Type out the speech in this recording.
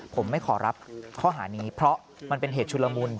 ผมไม่ขอรับข้อหานี้เพราะมันเป็นเหตุชุลมุน